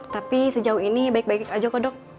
tapi sejauh ini baik baik saja kok dok